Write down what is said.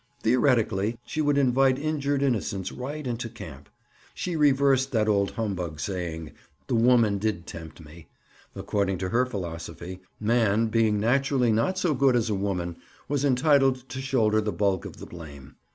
Theoretically, she would invite injured innocence right into camp. She reversed that old humbug saying, "The woman did tempt me;" according to her philosophy, man, being naturally not so good as a woman, was entitled to shoulder the bulk of the blame.